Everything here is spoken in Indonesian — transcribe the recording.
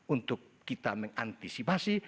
untuk kita mengantisipasi